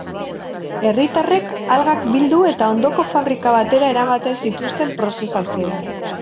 Herritarrek algak bildu eta ondoko fabrika batera eramaten zituzten prozesatzera.